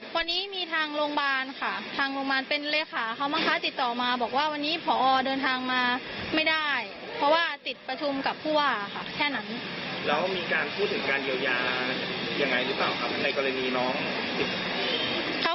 ส่วนตัวแล้วกับไม่มีแขนการที่เกิดขึ้นอ้ำ